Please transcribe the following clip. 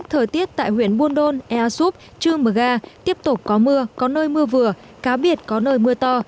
thời tiết tại huyện buôn đôn ea súp trương mờ ga tiếp tục có mưa có nơi mưa vừa cá biệt có nơi mưa to